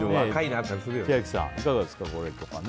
千秋さん、いかがですか。